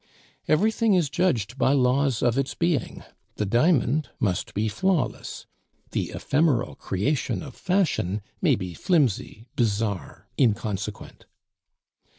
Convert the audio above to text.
Everything is judged by laws of its being; the diamond must be flawless; the ephemeral creation of fashion may be flimsy, bizarre, inconsequent.